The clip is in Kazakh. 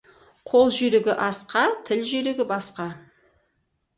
Қол жүйрігі асқа, тіл жүйрігі басқа.